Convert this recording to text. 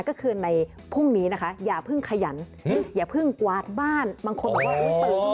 ก็คือในพรุ่งนี้นะคะอย่าเพิ่งขยันอย่าเพิ่งกวาดบ้านบางคนบอกว่าอุ๊ยเปิด